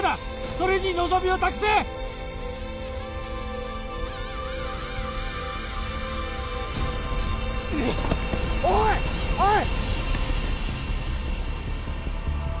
それに望みを託せうっおいおい！